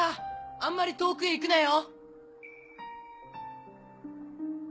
あんまり遠くへ行くなよ！